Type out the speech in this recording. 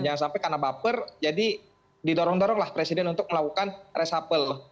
jangan sampai karena baper jadi didorong doronglah presiden untuk melakukan resapel